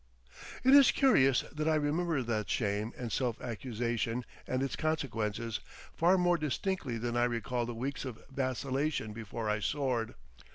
It is curious that I remember that shame and self accusation and its consequences far more distinctly than I recall the weeks of vacillation before I soared.